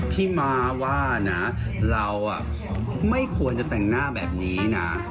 ม้าว่านะเราไม่ควรจะแต่งหน้าแบบนี้นะ